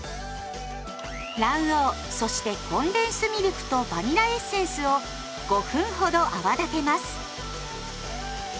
卵黄そしてコンデンスミルクとバニラエッセンスを５分ほど泡立てます。